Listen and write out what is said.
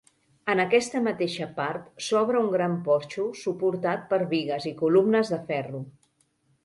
En aquesta mateixa part s'obre un gran porxo suportat per bigues i columnes de ferro.